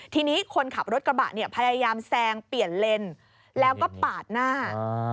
ทีนี้คนขับรถกระบะเนี่ยพยายามแซงเปลี่ยนเลนแล้วก็ปาดหน้า